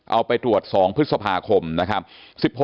เอาไปตรวจ๒พฤษภาคมนะครับ